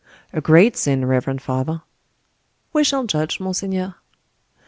"A great sin, reverend father!" "We shall judge, monseigneur."